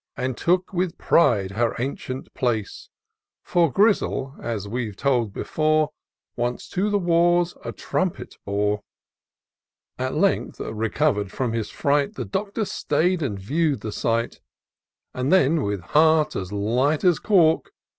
And took with pride her ancient place ; For Grizzle, as we've told before. Once to the wars a trumpet bore. i 118 TOUR OF DOCTOR SYNTAX At lengthi recover'd from his fright^ The Doctor stay'd, and view'd the sight ; And then, with heart as light as cork.